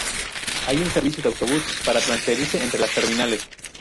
Hay un servicio de autobús para transferirse entre las terminales.